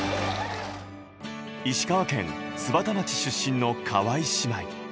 石川県津幡町出身の川井姉妹。